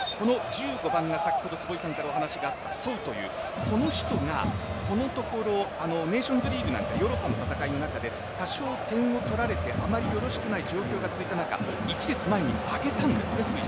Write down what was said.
１５番が先ほど坪井さんからお話があったソウというこの人が、このところネーションズリーグなどヨーロッパの戦いの中で多少点を取られてあまりよろしくない状況が続く中１列前に上げたんですね。